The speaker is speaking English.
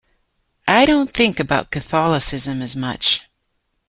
I don't think about Catholicism as much.